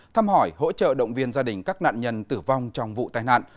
thăm hỏi hỗ trợ động viên gia đình các nạn nhân tử vong trong vụ tai nạn